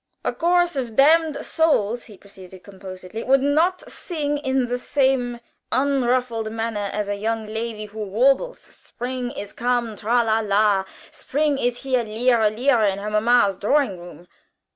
"A chorus of damned souls," he proceeded, composedly, "would not sing in the same unruffled manner as a young lady who warbles, 'Spring is come tra, la, la! Spring is come lira, lira!' in her mamma's drawing room.